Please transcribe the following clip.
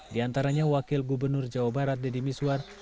di antaranya wakil gubernur jawa barat dedy mizwar